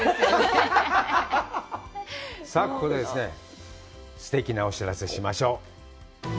さあ、ここで、すてきなお知らせをしましょう。